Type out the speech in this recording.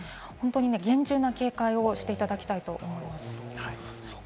厳重な警戒をしていただきたいと思います。